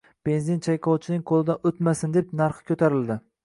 Benzin chayqovchining qoʻlidan oʻtmasin deb, narxi koʻtarildi.